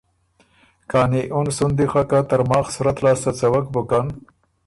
کانی اُن سُن دی خه که ترماخ صورت لاسته څَوَک بُکن